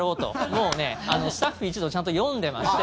もうね、スタッフ一同ちゃんと読んでまして。